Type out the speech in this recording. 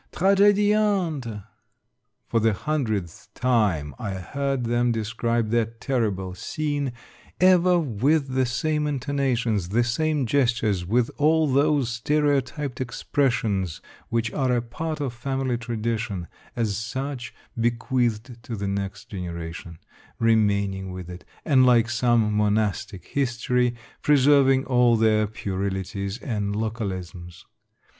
. tragMiante !... For the hundredth time I heard them describe that terrible scene, ever with the same intonations, the same gestures, with all those stereo typed expressions which are a part of family tra dition, as such bequeathed to the next generation, remaining with it, and like some monastic history, preserving all their puerilities and localisms.